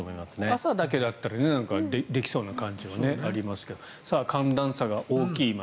朝だけだったらできそうな感じはありますけど寒暖差が大きい街